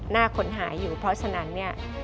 หน้าคนหายอยู่เพราะฉะนั้น